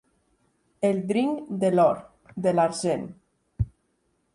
El dring de l'or, de l'argent.